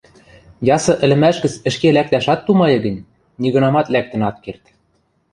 ясы ӹлӹмӓш гӹц ӹшке лӓктӓш ат тумайы гӹнь, нигынамат лӓктӹн ат керд.